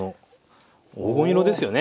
黄金色ですよね。